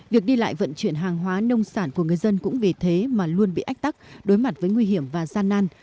việc đi lại vận chuyển hàng hóa nông sản của người dân cũng vì thế mà luôn bị ách tắc đối mặt với nguy hiểm và gian nan